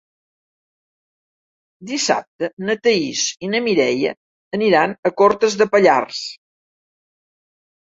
Dissabte na Thaís i na Mireia aniran a Cortes de Pallars.